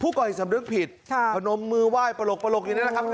ผู้ก่อเหตุสำนึกผิดค่ะขนมมือไหว้ประโลกประโลกอย่างนี้นะครับ